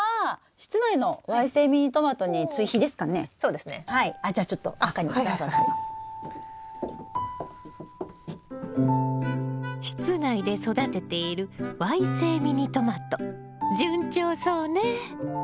室内で育てているわい性ミニトマト順調そうね！